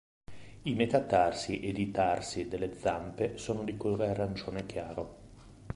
I metatarsi ed i tarsi delle zampe sono di colore arancione chiaro.